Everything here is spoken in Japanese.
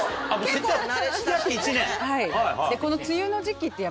はい。